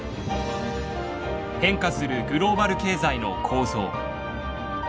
変化するグローバル経済の構造。